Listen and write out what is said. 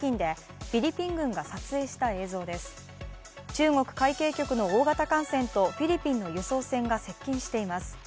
中国海警局の大型艦船とフィリピンの輸送船が接近しています。